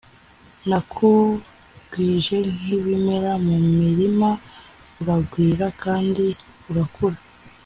Nakugwije nk’ibimera mu murima uragwira kandi urakura